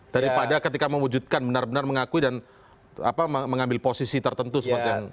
daripada ketika mewujudkan benar benar mengakui dan mengambil posisi tertentu seperti yang